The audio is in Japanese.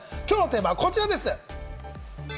今日のテーマはこちら。